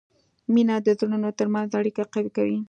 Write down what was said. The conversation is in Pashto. مینه د زړونو ترمنځ اړیکه قوي کوي.